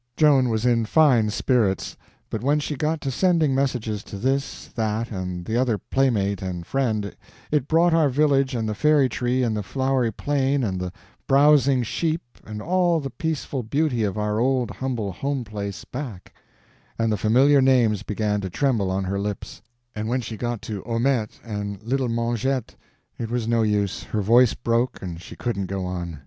Joan was in fine spirits; but when she got to sending messages to this, that, and the other playmate and friend, it brought our village and the Fairy Tree and the flowery plain and the browsing sheep and all the peaceful beauty of our old humble home place back, and the familiar names began to tremble on her lips; and when she got to Haumette and Little Mengette it was no use, her voice broke and she couldn't go on.